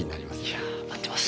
いや待ってます！